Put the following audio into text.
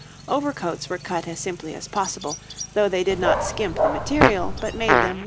Overcoats were cut as simply as possible, though they did not skimp the material but made them wide and loose.